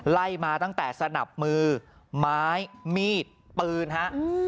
ไล่มาตั้งแต่สนับมือไม้มีดปืนฮะ